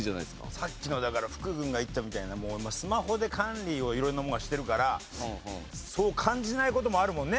さっきのだから福君が言ってたみたいな今スマホで管理を色々なものはしてるからそう感じない事もあるもんね？